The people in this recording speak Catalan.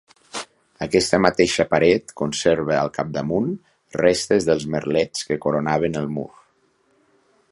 Aquesta mateixa paret conserva, al capdamunt, restes dels merlets que coronaven el mur.